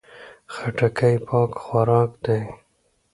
خټکی پاک خوراک دی.